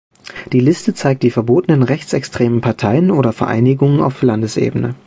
Die Liste zeigt die verbotenen rechtsextremen Parteien oder Vereinigungen auf Landesebene.